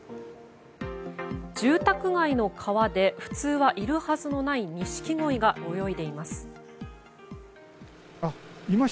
住宅街の川で普通はいるはずのないニシキゴイが泳いでいます。